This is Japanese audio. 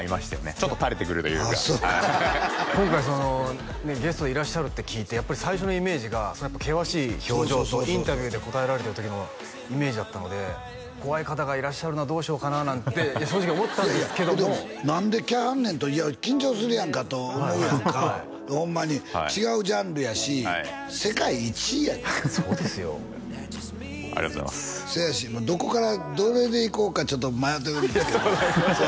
ちょっと垂れてくるというか今回そのねゲストでいらっしゃるって聞いてやっぱり最初のイメージがそのやっぱ険しい表情とインタビューで答えられてる時のイメージだったので怖い方がいらっしゃるなどうしようかななんて正直思ったんですけどもほんで何で来はるねんといや緊張するやんかと思うやんかホンマに違うジャンルやし世界１位やでそうですよありがとうございますそうやしもうどこからどれでいこうかちょっと迷ってくるんですけどいやそうなんですよ